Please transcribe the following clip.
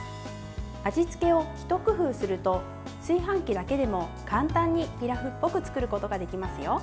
味付けを一工夫すると炊飯器だけでも簡単にピラフっぽく作ることができますよ。